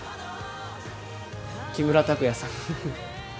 木村拓哉さん。